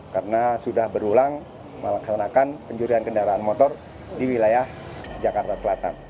karena sudah berulang melaksanakan pencurian kendaraan motor di wilayah jakarta selatan